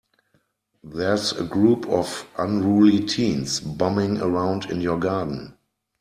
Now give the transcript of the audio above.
There's a group of unruly teens bumming around in your garden.